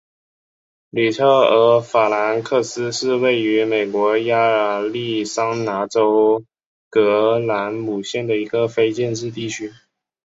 里特尔法兰克斯是位于美国亚利桑那州葛兰姆县的一个非建制地区。